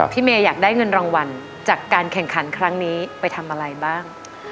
เมย์อยากได้เงินรางวัลจากการแข่งขันครั้งนี้ไปทำอะไรบ้าง